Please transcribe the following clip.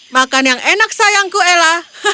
makan yang enak sayangku ella